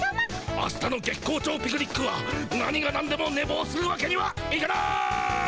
あしたの月光町ピクニックは何がなんでもねぼうするわけにはいかない！